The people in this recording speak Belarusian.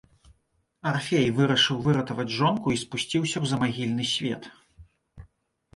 Арфей вырашыў выратаваць жонку і спусціўся ў замагільны свет.